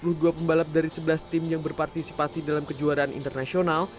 sepuluh dua pembalap dari sebelas tim yang berpartisipasi dalam kejuaraan internasional